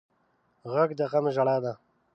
غږ د غم ژړا ده